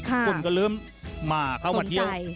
คนก็เริ่มมาเข้ามาเที่ยว